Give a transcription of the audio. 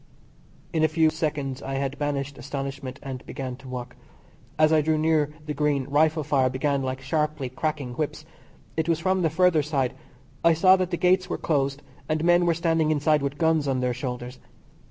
In a few seconds I banished astonishment and began to walk. As I drew near the Green rifle fire began like sharply cracking whips. It was from the further side. I saw that the Gates were closed and men were standing inside with guns on their shoulders.